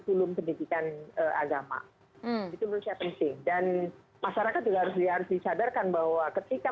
film pendidikan agama itu menurut saya penting dan masyarakat juga harus disadarkan bahwa ketika